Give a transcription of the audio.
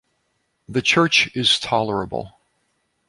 The church is tolerable.